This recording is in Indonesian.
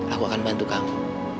aku akan bantu kamu